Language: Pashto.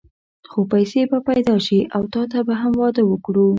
څو پيسې به پيدا شي او تاته به هم واده وکړو.